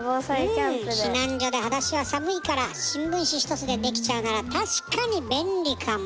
避難所で裸足は寒いから新聞紙一つでできちゃうなら確かに便利かも。